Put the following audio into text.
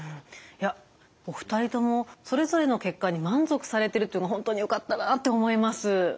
いやお二人ともそれぞれの結果に満足されてるっていうのは本当によかったなあって思います。